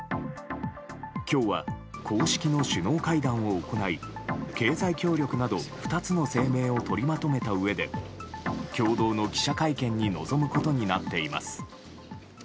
今日は、公式の首脳会談を行い経済協力など２つの声明を取りまとめたうえで共同の記者会見に臨むことになっています。